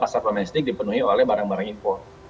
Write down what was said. pasar domestik dipenuhi oleh barang barang impor